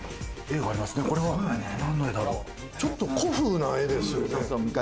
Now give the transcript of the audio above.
ちょっと古風な絵ですよね。